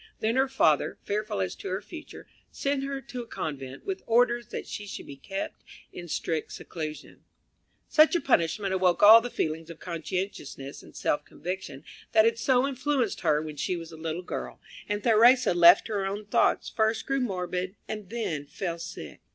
Then her father, fearful as to her future, sent her to a convent, with orders that she should be kept in strict seclusion. Such a punishment awoke all the feelings of conscientiousness and self conviction that had so influenced her when she was a little girl, and Theresa, left to her own thoughts, first grew morbid, and then fell sick.